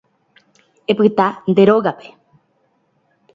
Epyta nde rógape